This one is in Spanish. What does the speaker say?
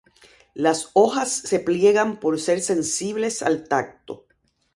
Las hojas se pliegan por ser sensibles al tacto.